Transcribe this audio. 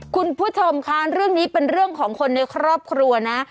คุณผู้ชมคะเรื่องนี้เป็นเรื่องของคนในครอบครัวนะ